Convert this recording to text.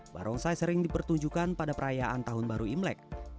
barongsai sering dipertunjukkan pada perayaan tahun baru imlek